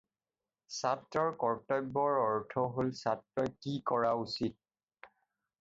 ছাত্ৰৰ কৰ্তব্যৰ অৰ্থ হ'ল ছাত্ৰই কি কৰা উচিত।